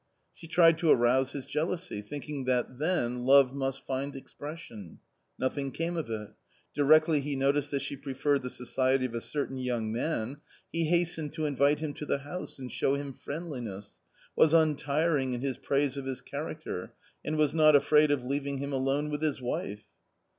She tried to arouse his jealousy, thinking that then love must find expression. Nothing came of it. Directly he noticed that she preferred the society of a certain young man, he hastened to invite him to the house and show him friendliness, was untiring in his praise of his character, and was not afraid of leaving him alone with his wife.